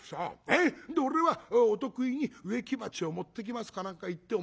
で俺は『お得意に植木鉢を持ってきます』か何か言って表へ出るよ。